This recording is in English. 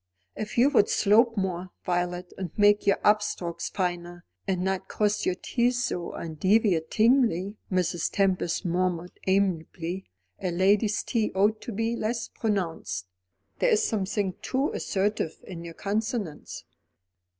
"If you would slope more, Violet, and make your up strokes finer, and not cross your T's so undeviatingly," Mrs. Tempest murmured amiably. "A lady's T ought to be less pronounced. There is something too assertive in your consonants."